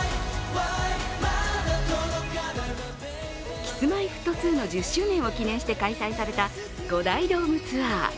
Ｋｉｓ−Ｍｙ−Ｆｔ２の１０周年を記念して開催された５大ドームツアー。